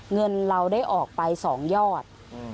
เงินเราได้ออกไป๒ยอด